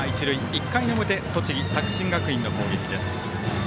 １回の表、栃木、作新学院の攻撃です。